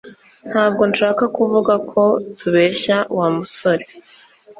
Ntabwo nshaka kuvuga ko tubeshya Wa musore